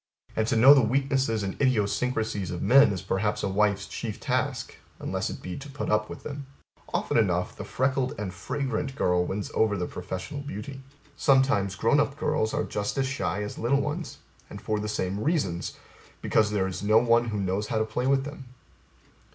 And To know the weaknesses and idiosyncrasies of men is perhaps a wife's chief task; unless it be to put up with them. Often enough the freckled and fringrant girl wins over the professional beauty. Sometimes grown up girls are just as shy as little ones and for the same reasons because there is no one who knows how to play with them.